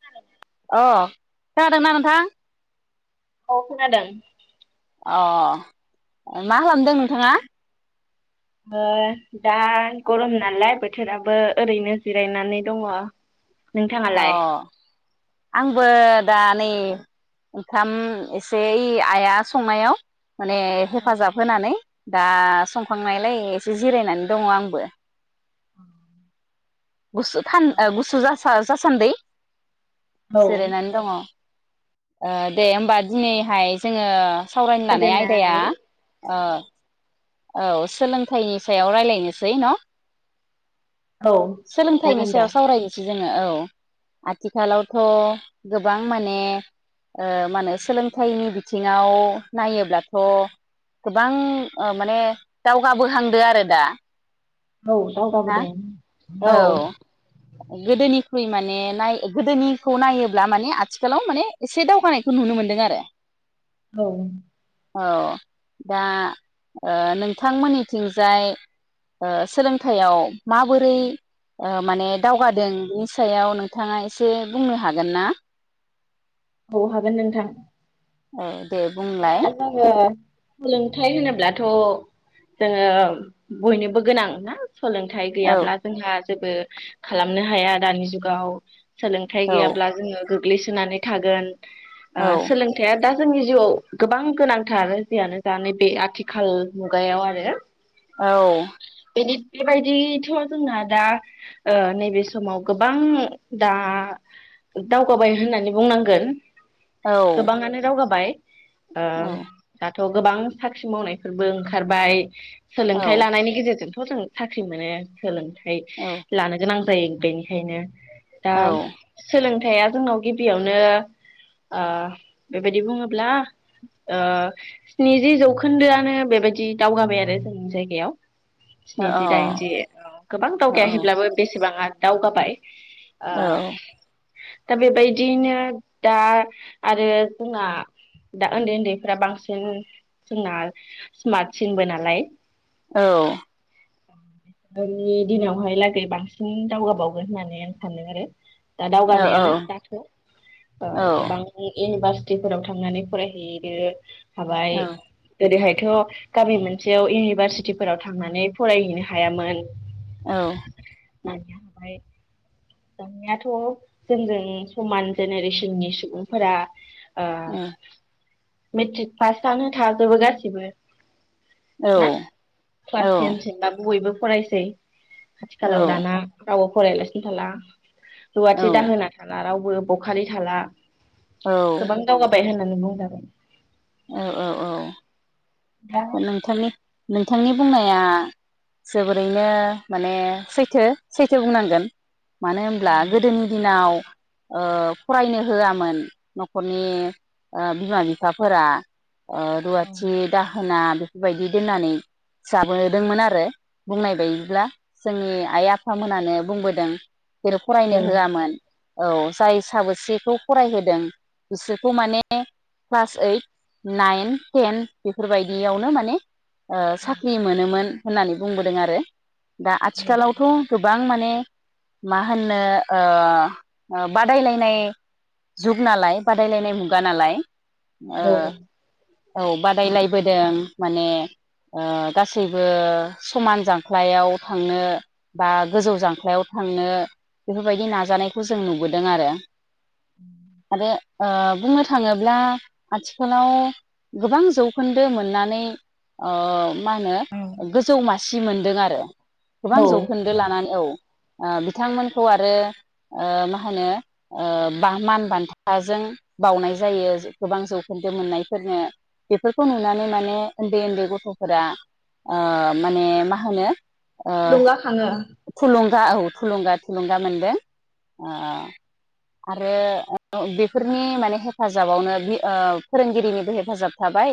खोनादों अ जादोंना नोंथां औ खोनादों अ मा खालामदों नोंथाङा ओ दा गरम नालाय बोथोराबो ओरैनो जिरायनानै दङ। अ नोंथाङालाय आंबो दा नै ओंखाम एसे आइया संनायाव माने औ हेफाजाब होनानै दा संखांनायलाय एसे जिरायनानै दङ आंबो गुसु थान औ ओ गुसु जासो [unintelligible] जासानदै औ जिरायनानै दङ ओ दे होमबा दिनैहाय जोङो सावरायनो लानाय आयदाया गोदोनाय ओ औ सोलोंथाइनि सायाव रायलायनोसै न औ सोलोंथाइनि जागोन दे सायाव सावरायनोसै जोङो औ आथिखालावथ गोबां माने ओ मा होनो सोलोंथाइनि बिथिङाव नायोब्लाथ गोबां ओ माने दावगाबोहांदो आरो दा औ ना दावगाबोदों औ गोदोनि ख्रुइ माने नाय गोदोनिखौ नायोब्ला माने आथिखालाव माने एसे दावगानायखौ नुनो मोनदों आरो औ औ दा ओ नोंथांमोननिथिंजाय ओ सोलों थाइयाव माबोरै ओ माने दावगादों बेनि सायाव नोंथाङा एसे बुंनो हागोन ना औ हागोन नोंथां औ दे बुंलाय [unintelligible] सोलोंथाइ होनोब्लाथ जोङो बयनोबो गोनां ना सलोंथाइ औ गैयाब्ला जोंहा जेबो खालामनो हाया दानि जुगाव सोलोंथाइ औ गैयाब्ला जोङो गोग्लैसोनानै थागोन आ औ सोलोंथाइया दा जोंनि जिउआव गोबां गोनांथार जेयानो जा नै बेे आथिखाल मुगायाव आरो औ बेबायदिथ जोंना दा ओ नैबे समाव गोबां दा दावगाबाय होननानै बुंनांगोन औ गोबाङानो दावगाबाय ओम थ गोबां साख्रि मावनायफोरबो ओंखारबाय औ सोलोंथाइ लानायनि गेजेरजों जों साख्रि मोनो सोलोंथाइ औ थाइ लानो गोनां [unintelligible] बेनिखायनो दा औ अ औ सोलों फिथाइआ जोंनाव गिबियावनो ओ बेबायदि बुङोब्ला ओ स्निजि जौखोन्दोआनो बेबायदि दावगाबाय आरो जोंनि जायगायाव स्निजि दाइनजि गोबां औ दावगायाहैब्लाबो बेसेबांआ दावगाबाय ओ औ दा बेबायदियैनो दा आरो जोंना दा उन्दै उन्दैफ्रा बांसिन जोंना स्मार्टसिनबो नालाय औ जोंनि दिनावहाय लागै बांसिन दावगाबावगोन होननानै आं सानदों आरो दा औ दावगानायानो दाथ ओ औ औ गोबां एनिभास तिफोराव थांनानै फरायहैदो हाबाय ओरैहाय [unintelligible] गामि मोनसेयाव इउनिभारसिटिफोराव थांनानै फरायहैनो ह हायामोन औ [unintelligible] दानियाथ जोंजों समान जेनेरेसननि सुबुंफोरा ओ उह मेट्रिक पास जानो थाजोबो गासिबो ना क्लास टेनसिमबाबो बयबो फरायसै आथिखालाव दाना औ फरायलासिनो थाला हौवाथि दा होना थाला रावबो बो बखालि थाला गोबां दावगाबाय होनो [unintelligible] औ औ औ दा नोंथांनि नों बिथांनि बुंनाया जोबोरैनो माने सैथो सैथो बुंनांगोन मानो होनब्ला औ गोदोनि दिनाव फरायनो होआमोन न खरनि बिमा बिफाफोरा रुवाथि औ दाहो ना बेफोरबायदि दोननानै जाबोदोंमोन आरो बुंनाय बायदिब्ला जोंनि आइ आफामोनानो बुंबोदों जेरै फरायनो होआमोन औ जाय साबोसेखौ फरायहोदों बिसोरखौ माने क्लास ओइट, नाइन, टेन बेफोरबायदियावनो माने साख्रि मोनोमोन। होननानै बुंबोदों आरो दा आथिखालावथ गोबां माने ने मा होननो बादायलायनाय जुग नालाय बादायलायनाय मुगा नालाय ओ औ बार रायज्लायबोदों माने गासैबो समान जांख्लायाव थांनो बा गोजौ जांख्लायाव थांनो बेफोरबायदि नाजानायखौ जों नुबोदों आरो आरो ओ बुंनो थाङोब्ला आथिखालाव गोबां जौगाबाय जौखोन्दो मोननानै मा होनो गोजौ मासि मोनदों आरो गोबां औ जौखोन्दो लानानै औ ओ बिथांमोनखौ आरो ओ मा होनो ओ बा मान बान्थाजों बावनाय जायो गोबां जौखोन्दो मोननायफोरखौ बेफोरखौ नुनानै माने उन्दै-उन्दै गथफोरा ओ माने मा होनो ओ थुलुंगाखाङो थुलुं औ थुलुंगा थुलुंगा मोनदों आरो बेफोरनि माने हेफाजाबावनो बि फोरोंगिरिनिबो हेफाजाब थाबाय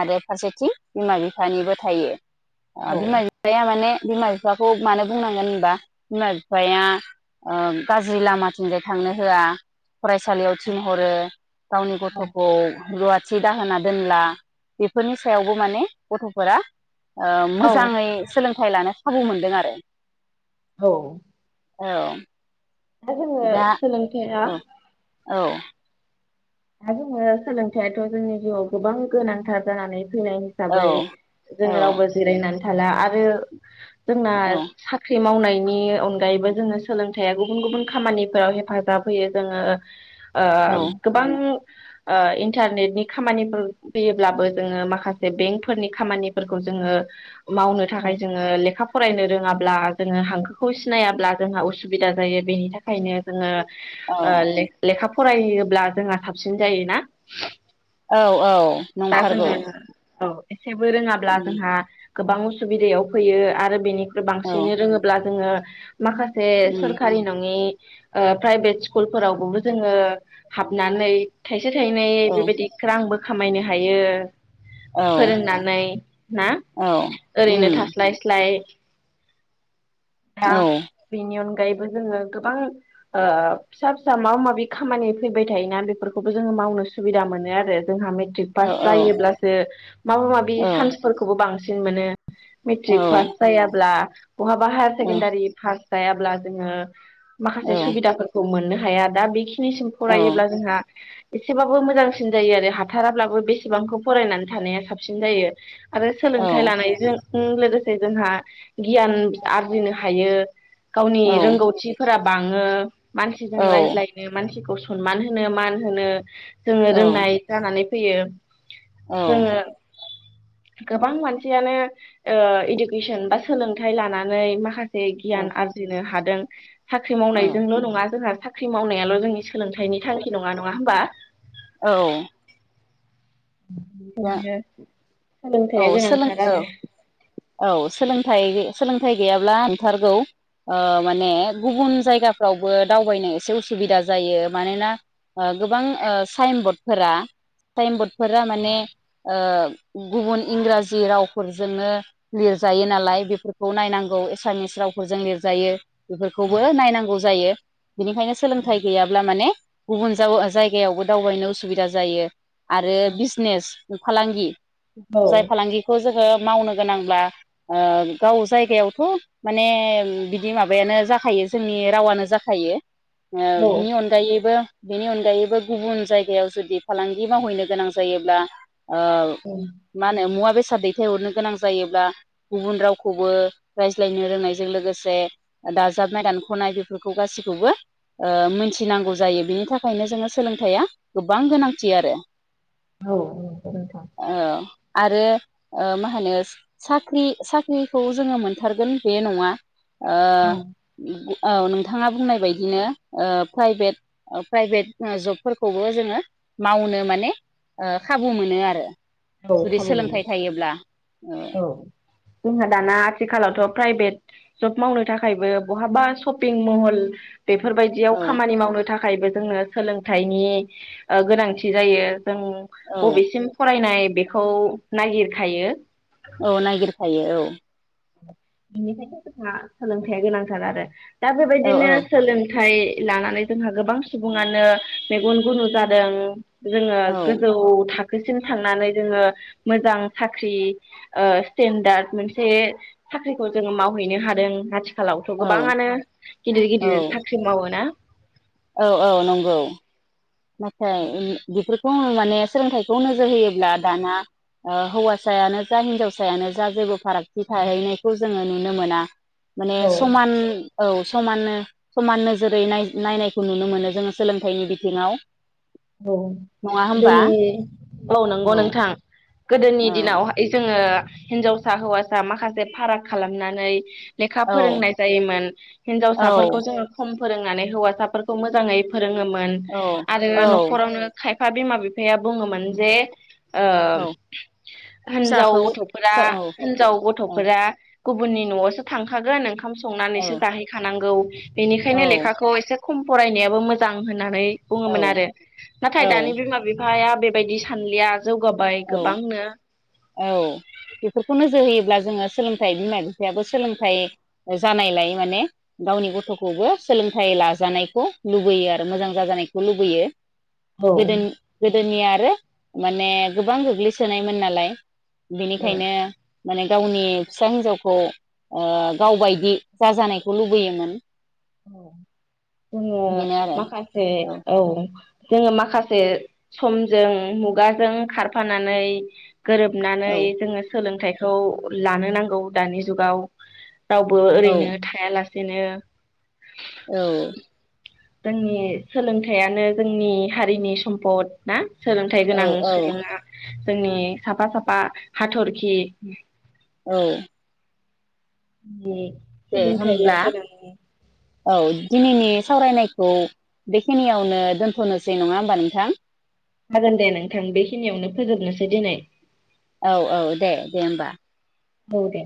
आरो फारसेथिं बिम बिफानिबो थायो ओ औ बिमा बिफाया माने बिमा बिफाखौ मानो बुंनांगोन होनबा बिमा-बिफाया गाज्रि ओ लामाथिंजाय थांनो होआ फरायसालियाव थिनहरो गावनि गथखौ रुवाथि दाहोना दोनला बेफोरनि सायावबो माने गथ'फोरा ओ औ मोजाङै सोलोंथाइ लानो खाबु मोनदों आरो औ औ दा जोङो सोलोंथेरा औ औ दा जोङो सोलोंथाइयाथ' जोंनि जिउआव गोबां गोनांथार जानानै फैनाय औ हिसाबै जों औ रावबो जिरायनानै फाला आरो जोंना औ साख्रि मावनाय नि अनगायैबो जोङो सोलोंथाइया गुबुन गुबुन खामानिफोराव हेफाजाब होयो जोङो अ अ औ गोब औ ओ इन्टारनेटनि खामानिफोर फैयोब्लाबो जोङो माखासे बेंकफोरनि खामानिफोरखौ जोङो मावनो थाखाय जोङो लेखा फ फरायनो रोङाब्ला जोङो हांखोखौ सिनायाब्ला जोंहा उसुबिदा जायो बेनि थाखायनो जोङो औ ओ ले-लेखाफ फरायहोयोब्ला जोंहा थाबसिन जायोना? औ औ नंथारगौ जेबो रोङाब्ला जोंहा गोबां उसुबिदायाव फैयो आरो बेनि औ बांसिनै रोङोब्ला जोङो माखासे उम सोरखारि नङि ओ प्राइभेट स्कुलफोरावबोबो जोङो हाबनानै थाइज थायसे थायनै औ बेबायदि ग्रांबो खामायनो हायो औ फोरोंनानै ना? औ ओरैनो उम थास्लाय स्लाय ना औ बिनियावनो दायोबो जोङो गोबां ओ फिसा फिसा माबा माबि खामानि फैबाय थायोना बेफोरखौबो जोङो मावनो सुबिदा मोनो आरो जोंहा मेट्रिक औ पास औ जायोब्लासो माबा माबि औ सान्सफोरखौबो बांसिन जिन मोनो औ मेट्रिक पास जायाब्ला बहाबा हायार औ सेकेणडारि फार्स जायाब्ला जोङो औ माखासे सुबिदाफोरखौ मोननो हाया दा बेखिनिसि औ फरायोब्ला जोंहा एसेबाबो मोजांसिन जायो आरो हाथाराब्लाबो बेसेबांखौ फरायनानै थानाया साबसिन जायो आरो सोलोंथाइ लानायजों उम लोगोसे जोंहा गियान आरजिनो हायो गावनि औ रोंगौथिफोराब बाङो मानसिजों रायज्लायनो मानसिखौ स सनमान होनो मान होनो जोङो रोंनाय जानानै फैयो औ बोङो गोबां मानसियानो ओ इडुकेसन बा सोलोंथाइ लानानै माखास ए गियान आरजिनो हाद दों साख्रि औ मावनायजोंल नङा जोंहा साख्रि मावनायाल जोंनि सा हायनि थांखि नङा-नङा होमबा? औ दा सोलोंथाइया औ सोलों गोनांथार औ आरो औ सोलोंथाइ सोलोंथाइ गैयाब्ला नथारगौ ओ माने गुबुन जायगाफ्रावबो दावबायनो एसे उसुबिदा जायो मानोना ओ गोबां ओ साइन बरडफोरा साइन बद फोरा औ माने ओ गुबुन इंराजि रावफोरजोंनो लिरजायो नालाय बेफोरखौ नायनांगौ एसामिस रावफोरजों लिरजायो बेफोरखौबो नायनांगौ जायो बिनिखायनो सोलोंथाइ गैयाब्ला माने गुबुन जाव-जायगायावबो दावबायनो उसुबिदा जायो आरो बिजनेस फालांगि जाय फालांगिखौ जोङो मावनो गोनांब्ला ओ गाव जायगायावथ माने बिदि माबायानो जाखायो जोंनि रावानो जाखायो ओबिनि अनगायैबो बेनि अनगायैबो गुबुन जायगायाव जुदि फालांगि मावहैनो गोनां जायोब्ला आ माने मुवा बेस साद दैथायहरनो गोनां जायोब्ला गुबुन रावखौबो रायज्लायनो रोंनायजों लोगोसे दाजाबनाय दानखनाय बेफोरखौ गासैखौबो ओ मोनथिनांगौ जायो बिनि थाखायनो जोङो सोलोंथाइया गोबां गोनांथि आरो औ नगौ नोंथां औ आरो मा होनो स-साख्रि-साख्रिखौ जोङो मोनथारगोन बे नङा ओ गु औ नोंथाङा बुंनाय बायदिनो ओ प्राइभेट-प्राइभेट जबफोरखौबो जोङो मावनो माने ओ खाबु मोनो आरो औ जुदि खाबु मोनो सोलोंथाइ थायोब्ला औ जोंहा दाना आथिखालावथ प्राइभेट जब मावनो थाखायबो बहाबा सपिं महल बेफोरबायदियाव औ खामानि मावनो थाख थाखायबो जोंनो सोलोंथाइनि ओ गोनांथि जायो जों औ बबेसिम फरायनाय बेखौ नागिरखायो औ नायगिरखायो औ बेनिखायनो जोंहा सोलोंथाइया गोनांथार आरो दा औ बेबायदिनो औ सोलोंथ थाय लानानै जोंहा गोबां सुबुङानो मेगन गुनु जादों। जोङो औ गोजौ थाख खोसिम थांनानै जोङो मोजां साख्रि ओ स्टेन्डार्ड मोनसे साख्रिखौ जोङो मावहैनो हादों आथिख खालावथ गोबाङानो गिदिर औ गिदिर साख्रि मावोना? औ औ नंगौ। नाथाय इन बिफोर बुङो माने सोलोंथाइखौ नोजोर होयोब्ला दाना ओ हौवासायानो जा हिनजावसायानो जा जेबो फारागथि थाहैनायखौ जोङो नु नो मोना। माने औ समान औ समाननो समान नोजोरैनाय नायनायखौ नुनो मोनो जोङो सोलोंथाइनि बिथिङाव औ नङा होमबा? गोदोनि औ नंगौ नोंथां गोदोनि औ दिनावहाय जोङो हिनजावसा हौवासा माखासे फाराग खालामनानै लेखा औ फोरोंनाय जायोमोन हिनजावसाफोरखौ औ जोङो खम फोरोंनानै हौवासाफोरखौ मोजाङै फोरोङोमोन औ औ आरो खायफा बिमा बिफाया बुङोमोन जे ओ औ हिन्जाव फिसाखौ गथफोरा औ हिन्जाव औ गथफोरा गुबुननि नआवसो थांखागोन ओंखाम औ संनानैसो जाहैखानांगौ बेनिखायनो औ लेखाखौ एसे खम फरायनायाबो मोजां होननानै औ बुंङोमोन आरो। नाथाय दानि बिमा बिफाया बेबायदि सानलिया जौगाबाय औ गोबांनो औ बेफोरखौ नोजोर होयोब्ला जोङो सोलोंथाइ बिमा बिफायाबो सोलोंथाइ जानायलाय माने गावनि गथ'खौबो सोलोंथाइ लाजानायखौ लुबैयो आरो मोजां जाजानायखौ लुबैयो। औ दुनिया आरो माने गोबां गोग्लैसोनायमोन नालाय औ बेनिखायनो माने गावनि फिसा हिन्जावखौ गावबायदि जाजानायखौ लुबैयोमोन। औ जोङो बिदिनो आरो माखासे औ जोङो माखासे समजों मुगाजों खारफानानै गोरोबनानै औ जोङो सोलोंथाइ खौ लानो नांगौ दानि जुगाव रावबो औ ओरैनो थायालासे बिदिनो औ जोंनि सोलोंथाइयानो जोंनि हारिनि सम्फद ना? सोलोंथाइ औ गोनां औ सुबुङा जोंनि साफा साफा हाथर औ दे दे होमब्ला औ दिनैनि सावरायनायखौ बेखिनियावनो दोनथनोसै नङा होमबा नोंथां? हागोन दे नोंथां बेखिनियावनो फोजोबनोसै दिनै। औ औ दे दे होमबा औ दे।